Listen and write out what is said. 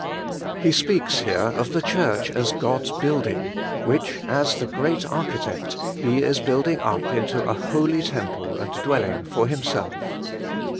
He speaks here of the Church as God's building, which, as the Great Architect, He is building up into a holy temple and dwell ing for Himself.